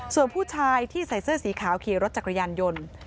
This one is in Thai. ส่วนผู้ชายที่ใส่เสื้อสีขาวขี่รถจักรยานยนต์